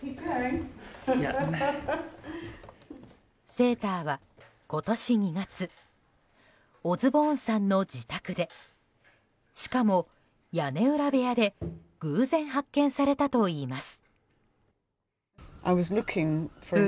セーターは今年２月オズボーンさんの自宅でしかも屋根裏部屋で偶然発見されたといいます。